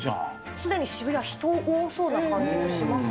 すでに渋谷、人多そうな感じがしますね。